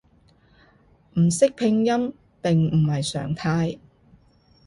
唔識拼音並唔係常態